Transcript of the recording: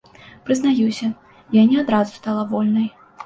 Прызнаюся, я не адразу стала вольнай.